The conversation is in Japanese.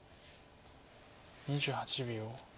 ２８秒。